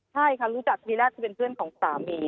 ใช่ค่ะรู้จักทีแรกที่เป็นเพื่อนของสามี